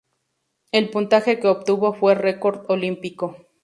El puntaje que obtuvo fue record olímpico.